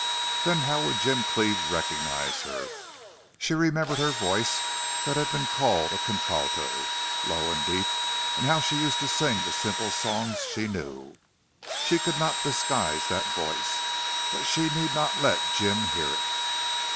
Then how would Jim Cleve ever recognize her? She remembered her voice that had been called a contralto, low and deep; and how she used to sing the simple songs she knew. She could not disguise that voice. But she need not let Jim hear it.